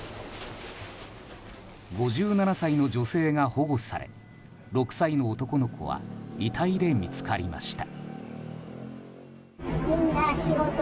５７歳の女性が保護され６歳の男の子は遺体で見つかりました。